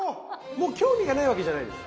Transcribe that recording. もう興味がないわけじゃないです。